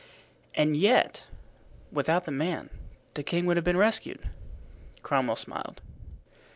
"And yet, without the man, the king would have been rescued." Cromwell smiled.